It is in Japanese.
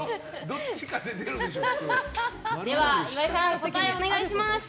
では岩井さん答えをお願いします。